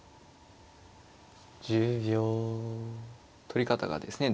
取り方がですね